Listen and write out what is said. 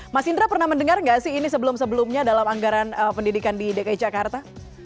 mas indra pernah mendengar nggak sih ini sebelum sebelumnya dalam anggaran pendidikan di dki jakarta